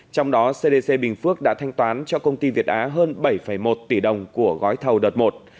trong đó cdc bình phước đã thanh toán cho công ty việt á hơn bảy một tỷ đồng của gói thầu đợt một